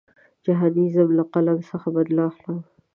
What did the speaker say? جهاني ځم له قلم څخه بدل اخلم.